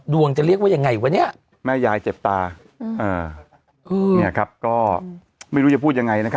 ดงจะเรียกว่าอย่างไรล่ะนี้